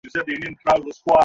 আমাদের কী ভেবে দেখা উচিত?